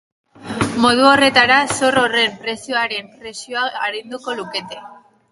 Modu horretara, zor horren prezioaren presioa arinduko lukete.